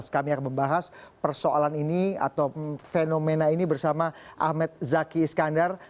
kami akan membahas persoalan ini atau fenomena ini bersama ahmed zaki iskandar